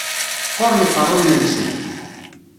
Qquren yiqerruyen-nsen.